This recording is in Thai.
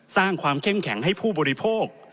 สร้างความเข้มแข็งให้ผู้บริโภค